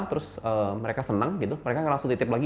terus mereka senang gitu mereka langsung titip lagi